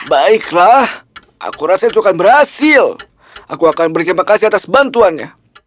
baiklah aku rasa itu akan berhasil aku akan berterima kasih atas bantuannya